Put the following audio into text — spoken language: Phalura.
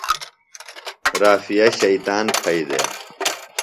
رافعہ شیطان پھئیۡ دےۡ۔